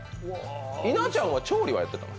稲ちゃんは調理はやってたの？